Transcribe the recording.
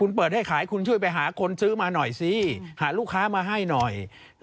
คุณเปิดให้ขายคุณช่วยไปหาคนซื้อมาหน่อยสิหาลูกค้ามาให้หน่อย